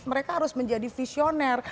mereka harus menjadi visioner